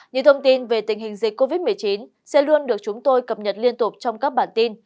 những thông tin về tình hình dịch covid một mươi chín sẽ luôn được chúng tôi cập nhật liên tục trong các bản tin